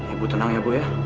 ibu tenang ya bu ya